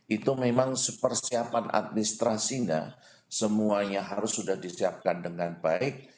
itu memang persiapan administrasinya semuanya harus sudah disiapkan dengan baik